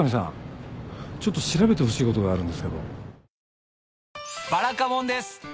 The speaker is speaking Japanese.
ちょっと調べてほしいことがあるんですけど。